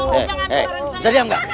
hei hei bisa diam gak